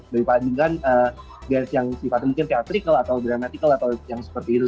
daripada dengan dance yang sifatnya mungkin theatrical atau dramatical atau yang seperti itu